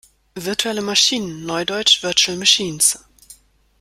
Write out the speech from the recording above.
Virtuelle Maschinen, neudeutsch Virtual Machines.